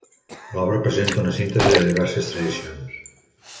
L'obra presenta una síntesi de diverses tradicions.